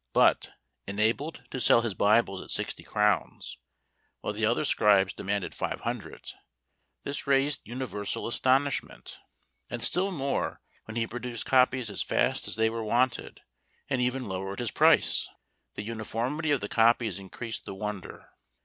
But, enabled to sell his Bibles at sixty crowns, while the other scribes demanded five hundred, this raised universal astonishment; and still more when he produced copies as fast as they were wanted, and even lowered his price. The uniformity of the copies increased the wonder.